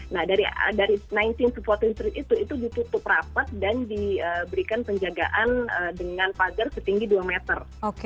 nah dari sembilan belas th to empat belas th street itu ditutup rapat dan diberikan penjagaan dengan pagar setinggi dua meter